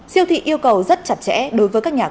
siêu thị yêu cầu rất chặt chẽ đối với các nhà